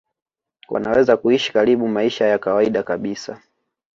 wanaweza kuishi karibu maisha ya kawaida kabisa